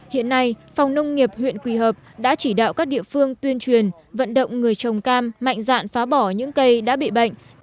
hiện nay phòng nông nghiệp huyện quỳ hợp đã chỉ đạo các địa phương tuyên truyền vận động người trồng cam mạnh dạn phá bỏ những cây đã bị bệnh